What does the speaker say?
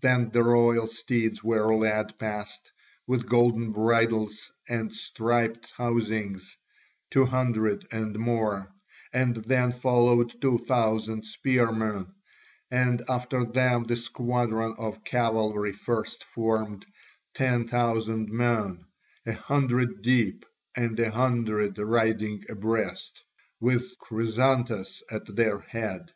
Then the royal steeds were led past, with golden bridles and striped housings, two hundred and more, and then followed two thousand spearmen and after them the squadron of cavalry first formed, ten thousand men, a hundred deep and a hundred riding abreast, with Chrysantas at their head.